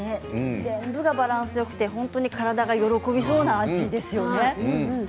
全部がバランスよくて体が喜びそうな味ですよね。